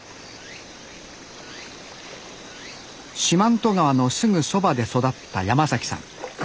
四万十川のすぐそばで育った山さん。